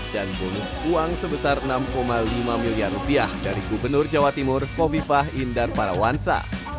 dan bonus uang sebesar enam lima miliar rupiah dari gubernur jawa timur kofifah indar parawansa